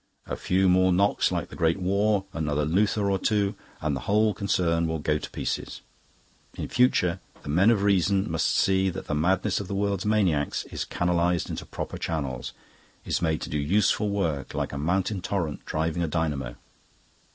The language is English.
A few more knocks like the Great War, another Luther or two, and the whole concern will go to pieces. In future, the men of reason must see that the madness of the world's maniacs is canalised into proper channels, is made to do useful work, like a mountain torrent driving a dynamo..."